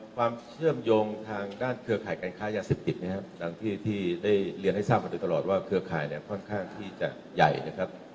ความเชื่อมโยงทางด้านเครือข่ายการค้ายาเสพติดนะครับดังที่ได้เรียนให้ทราบมาโดยตลอดว่าเครือข่ายเนี่ยค่อนข้างที่จะใหญ่นะครับ